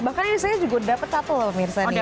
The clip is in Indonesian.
bahkan saya juga dapat satu loh mirsa nih ya